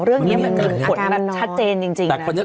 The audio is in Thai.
เรื่องนี้มันชัดเจนจริงนะ